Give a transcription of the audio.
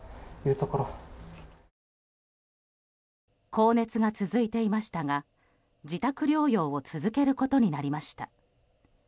高熱が続いていましたが自宅療養を続けることになりました。